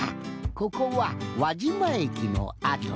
ここは輪島駅のあと。